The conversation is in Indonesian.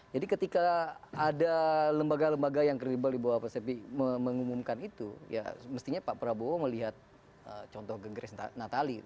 jadi ketika ada lembaga lembaga yang kredibel di bawah persepik mengumumkan itu ya mestinya pak prabowo melihat contoh genggres natali